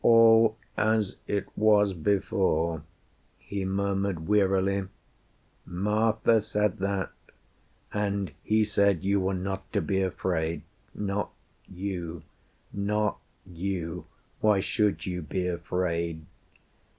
"All as it was before," He murmured wearily. "Martha said that; And He said you were not to be afraid ... Not you ... Not you ... Why should you be afraid?